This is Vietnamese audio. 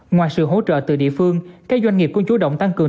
ngoài sự hỗ trợ từ địa phương các doanh nghiệp cũng chú động tăng cường